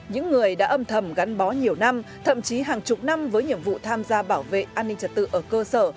những người đã âm thầm gắn bó nhiều năm thậm chí hàng chục năm với nhiệm vụ tham gia bảo vệ an ninh trật tự ở cơ sở